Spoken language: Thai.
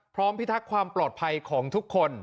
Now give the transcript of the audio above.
พร้อมพิทักคค์ความปลอดภัยของทุกคน